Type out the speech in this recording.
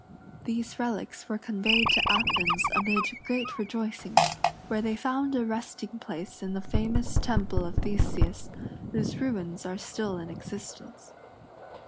These relics were conveyed to Athens amid great rejoicing, where they found a resting place in the famous temple of Theseus, whose ruins are still in existence.